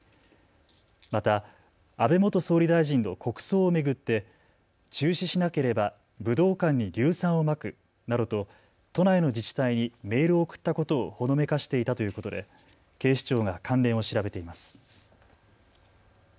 また安倍元総理大臣の国葬を巡って中止しなければ武道館に硫酸をまくなどと都内の自治体にメールを送ったことをほのめかしていたということで警視庁が関連を調べています。